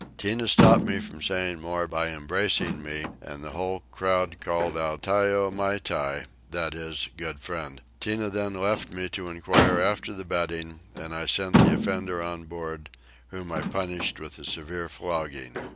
Tinah stopped me from saying more by embracing me and the whole crowd cried out Tyo myty (i.e. good friend). Tinah then left me to enquire after the bedding, and I sent the offender on board, whom I punished with a severe flogging.